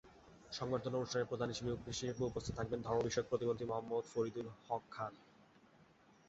সংবর্ধনা অনুষ্ঠানে প্রধান অতিথি হিসেবে উপস্থিত থাকবেন ধর্ম বিষয়ক প্রতিমন্ত্রী মোহাম্মদ ফরিদুল হক খান।